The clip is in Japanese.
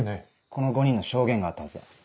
この５人の証言があったはずだ。